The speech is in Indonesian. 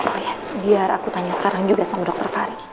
ayah biar aku tanya sekarang juga sama dokter fari